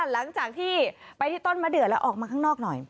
หลังจากที่ไปที่ต้นมะเดือดแล้วออกมาข้างนอกหน่อย